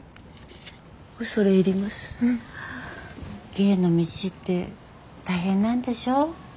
芸の道って大変なんでしょ。